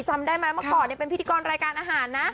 จำได้ไหมเมื่อก่อนเป็นพิธีกรรายการอาหารนะ